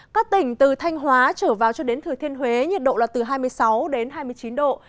các tỉnh từ thanh hóa trở vào cho đến thừa thiên huế nhiệt độ là từ hai mươi sáu đến hai mươi chín độ